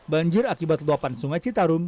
banjir akibat luapan sungai citarum